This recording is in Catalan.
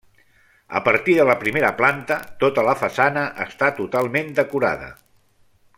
A partir de la primera planta, tota la façana està totalment decorada.